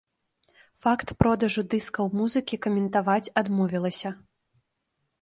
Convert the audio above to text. Факт продажу дыскаў музыкі каментаваць адмовілася.